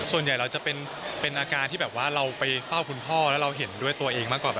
ส่วนใหญ่เราจะเป็นอาการที่แบบว่าเราไปเฝ้าคุณพ่อแล้วเราเห็นด้วยตัวเองมากกว่า